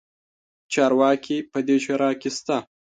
چارواکي په دې شورا کې شته.